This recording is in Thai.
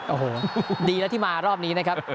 โอ้โหดีแล้วที่มารอบนี้นะครับ